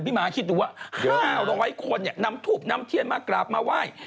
ม้าคิดดูว่า๕๐๐คนนำทูบนำเทียนมากราบมาไหว้